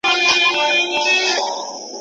خالق جوړ کړ عزراییل د دښمنانو